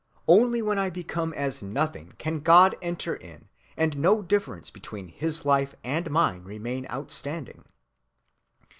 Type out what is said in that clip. Only when I become as nothing can God enter in and no difference between his life and mine remain outstanding.